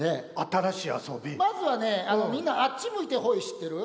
まずはねみんなあっち向いてホイ知ってる？